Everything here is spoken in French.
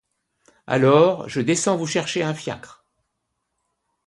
Alors, je descends vous chercher un fiacre.